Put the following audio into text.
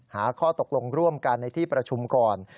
หาข้อตกลงร่วมกันในที่ประชุมก่อน